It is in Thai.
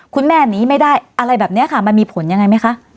คุณแม่หนีไม่ได้อะไรแบบนี้ค่ะมันมีผลยังไงไหมคะ